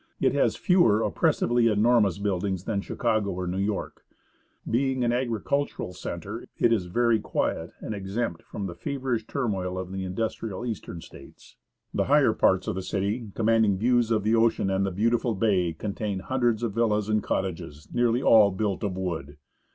It has fewer oppressively enormous buildings than Chicago or New York. Being an agricultural centre, it is very 9 THE ASCENT OF MOUNT ST. ELIAS quiet and exempt from the feverish turmoil of the industrial Eastern States. The higher parts of the city, commanding views of tlie ocean and the beautiful bay, contain hundreds of villas and cottages, nearly all built of wood.